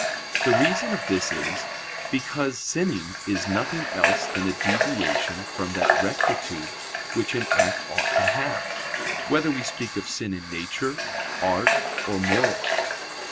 The reason of this is, because sinning is nothing else than a deviation from that rectitude which an act ought to have; whether we speak of sin in nature, art, or morals.